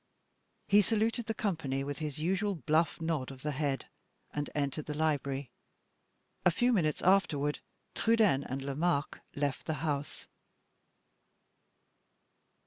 He saluted the company, with his usual bluff nod of the head, and entered the library. A few minutes afterward, Trudaine and Lomaque left the house.